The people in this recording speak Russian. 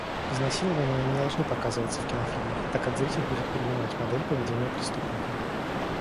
Изнасилования не должны показываться в кинофильмах, так как зритель будет перенимать модель поведения преступника.